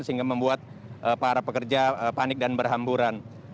sehingga membuat para pekerja panik dan berhamburan